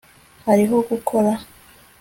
hariho gukora